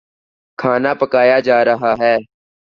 کھانا پکایا جا رہا ہے